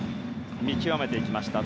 見極めていきました。